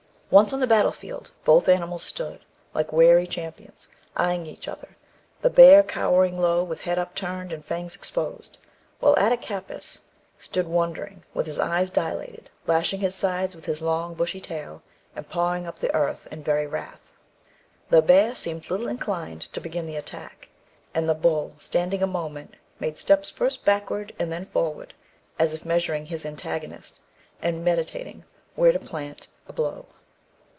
"Once on the battle field, both animals stood, like wary champions, eyeing each other, the bear cowering low, with head upturned and fangs exposed, while Attakapas stood wondering, with his eye dilated, lashing his sides with his long and bushy tail, and pawing up the earth in very wrath. "The bear seemed little inclined to begin the attack, and the bull, standing a moment, made steps first backward and then forward, as if measuring his antagonist, and meditating where to plant a blow.